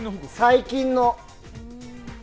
最近の。